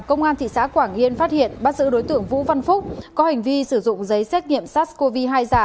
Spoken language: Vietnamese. công an thị xã quảng yên phát hiện bắt giữ đối tượng vũ văn phúc có hành vi sử dụng giấy xét nghiệm sars cov hai giả